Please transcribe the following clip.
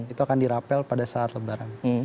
itu akan dirapel pada saat lebaran